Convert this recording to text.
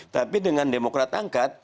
tapi dengan demokrat angkat